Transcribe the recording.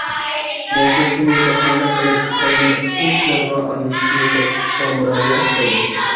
مەسىلىسىنى باھانە قىلىپ خىتاينىڭ ئىچكى ئىشىغا ئارىلىشىشىنى توختىتىشقا مۇراجىئەت قىلدى.